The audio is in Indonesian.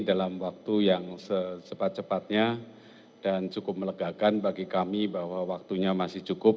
dalam waktu yang secepat cepatnya dan cukup melegakan bagi kami bahwa waktunya masih cukup